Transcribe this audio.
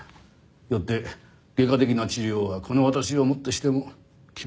よって外科的な治療はこの私をもってしても厳しい。